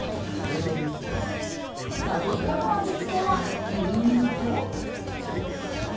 サトイモの味付けは、牛乳と。